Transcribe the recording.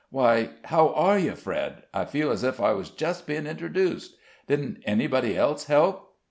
"Why how are you, Fred? I feel as if I was just being introduced. Didn't anybody else help?"